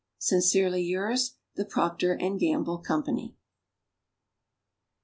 Sincerely yours, THE rRociER & ga:mble company.